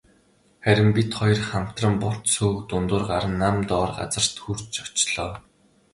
Харин бид хоёр хамтран бут сөөг дундуур гаран нам доор газарт хүрч очлоо.